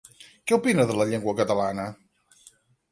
Què opina de la llengua catalana?